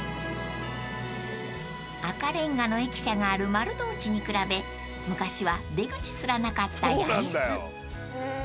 ［赤レンガの駅舎がある丸の内に比べ昔は出口すらなかった八重洲］